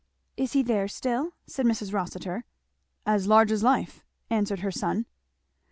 "Is he there still?" said Mrs. Rossitur. "As large as life," answered her son.